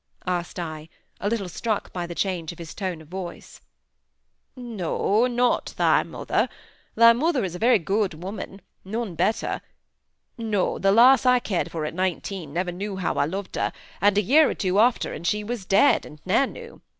asked I, a little struck by the change of his tone of voice. "No! not thy mother. Thy mother is a very good woman—none better. No! the lass I cared for at nineteen ne'er knew how I loved her, and a year or two after and she was dead, and ne'er knew.